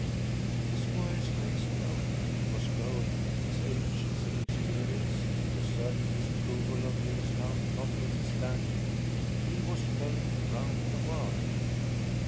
The squire's face glowed. He was going his age, his inexperience, the certain disapproval of Millerstown notwithstanding he was going round the world!